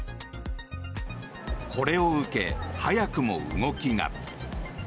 これを受け、早くも動きが。